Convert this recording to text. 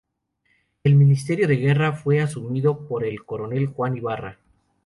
El ministerio de Guerra fue asumido por el coronel Juan Ibarra.